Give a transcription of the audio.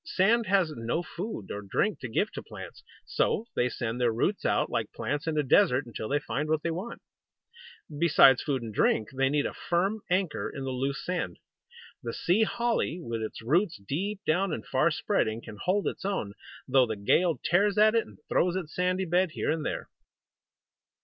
Sand has no food or drink to give to plants. So they send their roots out, like plants in a desert, until they find what they want. Besides food and drink, they need a firm anchor in the loose sand. The Sea Holly, with its roots deep down and far spreading, can hold its own, though the gale tears at it and throws its sandy bed here and there.